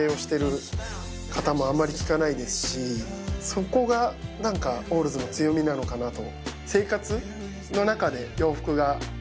そこが何かＯＲＲＳの強みなのかなと。